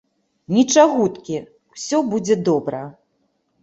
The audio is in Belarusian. Нічагуткі, усё будзе добра.